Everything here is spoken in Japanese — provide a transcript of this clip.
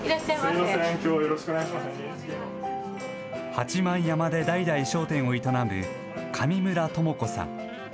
八幡山で代々商店を営む上村智子さん。